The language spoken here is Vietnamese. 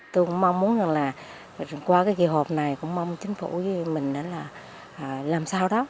tôi cũng mong muốn rằng là qua cái kỳ họp này cũng mong chính phủ với mình là làm sao đó